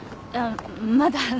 まだ。